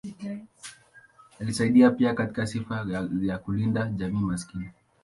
Alisaidia pia katika sifa ya kulinda jamii maskini.